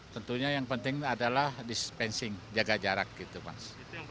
tentunya yang penting adalah dispensing jaga jarak gitu mas